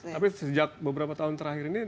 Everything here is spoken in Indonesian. tapi sejak beberapa tahun terakhir ini